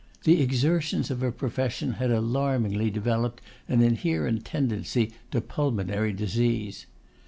The exertions of her profession had alarmingly developed an inherent tendency to pulmonary disease.